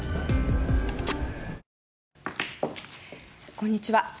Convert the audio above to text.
こんにちは。